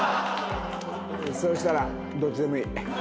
そしたら「どっちでもいい」。